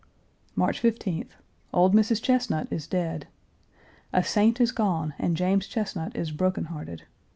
March 15th. Old Mrs. Chesnut is dead. A saint is gone and James Chesnut is broken hearted.